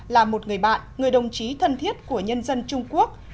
là một người bạn người đồng chí thân thiết của nhân dân trung quốc